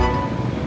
itu nggak betul